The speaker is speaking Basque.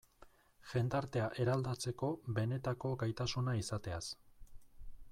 Jendartea eraldatzeko benetako gaitasuna izateaz.